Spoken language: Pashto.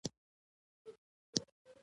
خوب د ستوريو سیوري ته استراحت دی